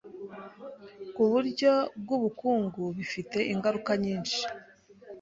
ku buryo bw’ubukungu bifite ingaruka nyinshi.”